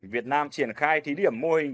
việt nam triển khai thí điểm mô hình